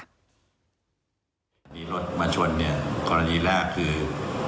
ในกรณีหน้ารถบันชนเนี่ยกรณีแรกคือ